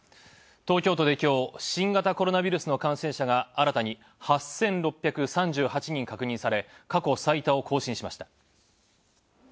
東京都できょう、新型コロナウイルスの感染者が新たに８６３８人確認され、過去最多を更新しました。